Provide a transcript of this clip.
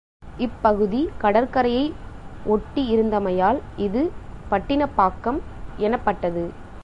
இப்பகுதி கடற்கரையை ஒட்டி இருந்தமையால் இது பட்டினப்பாக்கம் எனப் பட்டது.